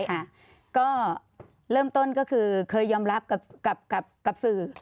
อ่ะก็เริ่มต้นก็คือเคยยอมรับกับกับสื่อ